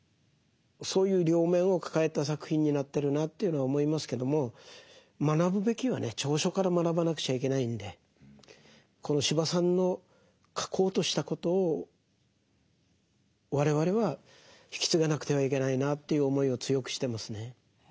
そういう両面を抱えた作品になってるなというのは思いますけども学ぶべきはね長所から学ばなくちゃいけないんでこの司馬さんの書こうとしたことを我々は引き継がなくてはいけないなという思いを強くしてますね。